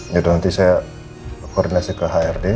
ya udah nanti saya koordinasi ke hrd